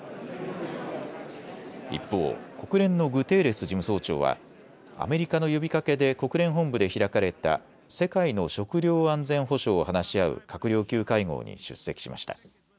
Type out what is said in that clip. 一方、国連のグテーレス事務総長はアメリカの呼びかけで国連本部で開かれた世界の食料安全保障を話し合う閣僚級会合に出席しました。